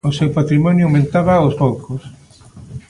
O seu patrimonio aumentaba aos poucos.